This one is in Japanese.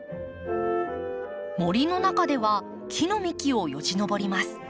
森の中では木の幹をよじのぼります。